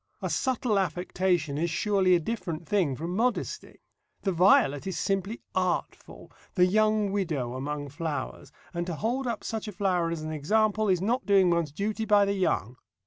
A subtle affectation is surely a different thing from modesty. The violet is simply artful, the young widow among flowers, and to hold up such a flower as an example is not doing one's duty by the young.